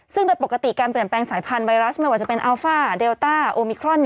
ซึ่งโดยปกติการเปลี่ยนแปลงสายพันธุไวรัสไม่ว่าจะเป็นอัลฟ่าเดลต้าโอมิครอน